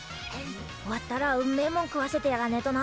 終わったらうめえもん食わせてやらねえとな。